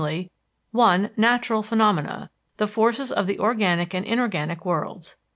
(1) Natural phenomena, the forces of the organic and inorganic worlds.